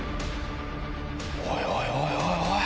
おいおい